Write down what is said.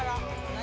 何？